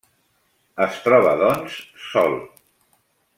Es troba doncs sol.